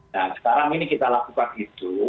nah sekarang ini kita lakukan itu